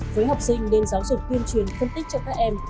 với học sinh nên giáo dục tuyên truyền phân tích cho các em